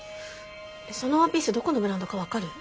そのワンピースどこのブランドか分かる？